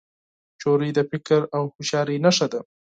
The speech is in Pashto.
نجلۍ د فکر او هوښیارۍ نښه ده.